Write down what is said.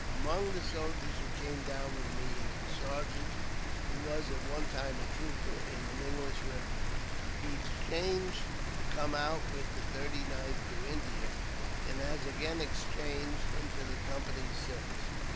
"Among the soldiers who came down with me is a sergeant who was at one time a trooper in an English regiment. He exchanged to come out with the 39th to India, and has again exchanged into the Company's service.